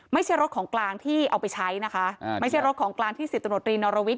ไม่ใช่รถของกลางที่เอาไปใช้นะคะอ่าไม่ใช่รถของกลางที่สิบตำรวจรีนรวิทย